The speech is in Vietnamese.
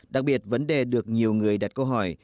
đặc biệt vấn đề được nhiều người đặt câu hỏi